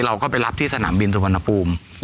เราก็ไปรับที่สนามบินสุวรรณภูมิ